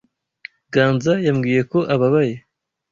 Ganza yambwiye ko ababaye.